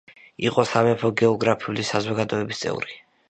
იყო სამეფო გეოგრაფიული საზოგადოების წევრი.